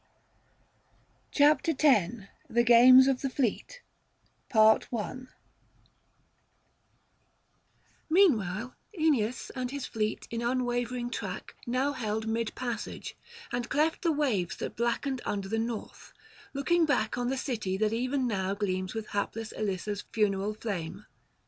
BOOK FIFTH THE GAMES OF THE FLEET Meanwhile Aeneas and his fleet in unwavering track now held mid passage, and cleft the waves that blackened under the North, looking back on the city that even now gleams with hapless Elissa's funeral flame.